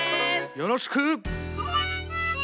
よろしく！